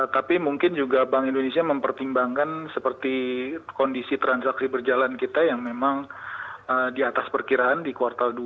tapi mungkin juga bank indonesia mempertimbangkan seperti kondisi transaksi berjalan kita yang memang di atas perkiraan di kuartal dua